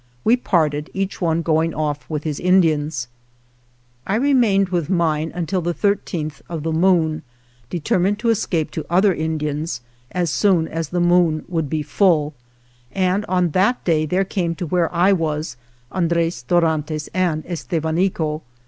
We parted, each one going off with his Indians. I remained with mine until the thirteenth of the moon, determined to escape to other Indians as soon as the moon would be full, and on that day there came to where I was Andres Dorantes and Estevanico.